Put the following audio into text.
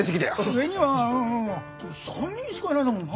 上には３人しかいないんだもんな。